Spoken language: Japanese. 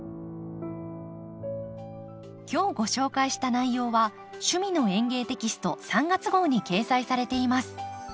今日ご紹介した内容は「趣味の園芸」テキスト３月号に掲載されています。